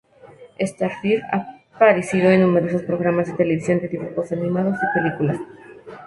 Starfire ha aparecido en numerosos programas de televisión de dibujos animados y películas.